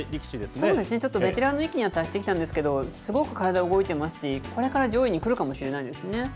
そうですね、ちょっとベテランの域には達してきたんですけど、すごく体動いてますし、これから上位に来るかもしれないですね。